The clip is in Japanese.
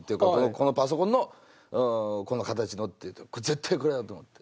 このパソコンのこの形のって絶対これだ！と思って。